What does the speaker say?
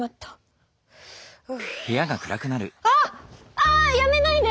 ああやめないで！